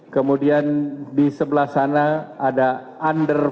kemudian di sebelah sana ada under empat puluh